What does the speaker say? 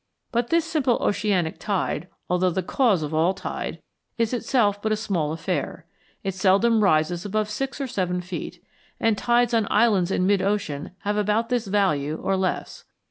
But this simple oceanic tide, although the cause of all tide, is itself but a small affair. It seldom rises above six or seven feet, and tides on islands in mid ocean have about this value or less.